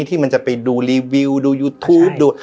ที่มันจะไปดูรีวิวดูยูทูปดู